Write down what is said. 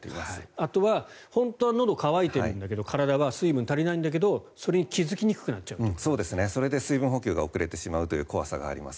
あとは本当はのどが渇いているんだけど体は水分が必要なんだけどそれに水分補給が遅れてしまうということがあります。